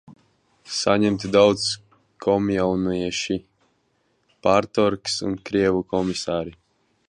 Saņemti daudz komjaunieši, partorgs un krievu komisāri.